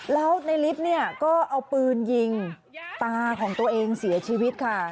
แล้วในลิฟต์เนี่ยก็เอาปืนยิงตาของตัวเองเสียชีวิตค่ะ